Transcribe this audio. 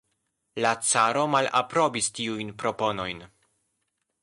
La caro malaprobis tiujn proponojn.